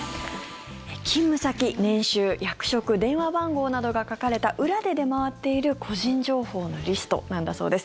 勤務先、年収、役職電話番号などが書かれた裏で出回っている個人情報のリストなんだそうです。